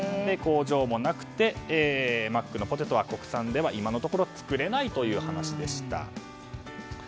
工場もなくてマックのポテトは国産では今のところ作れないという話でした。